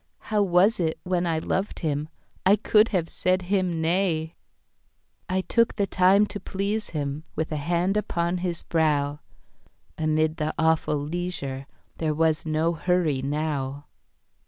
How was it, when I loved him,I could have said him nay!I took the time to please him, With a hand upon his brow. Amid the awful leisureThere was no hurry now.